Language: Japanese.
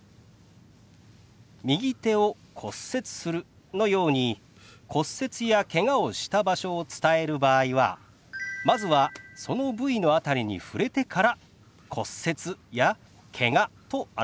「右手を骨折する」のように骨折やけがをした場所を伝える場合はまずはその部位の辺りに触れてから「骨折」や「けが」と表しますよ。